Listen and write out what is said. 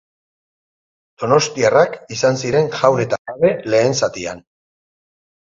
Donostiarrak izan ziren jaun eta jabe lehen zatian.